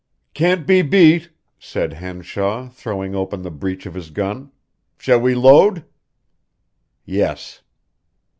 "Can't be beat," said Henshaw, throwing open the breech of his gun. "Shall we load?" "Yes."